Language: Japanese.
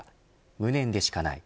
無念でしかない。